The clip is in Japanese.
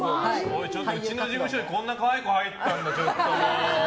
うちの事務所にこんな可愛い子入ったんだ。